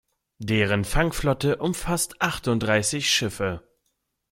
Deren Fangflotte umfasst achtunddreißig Schiffe.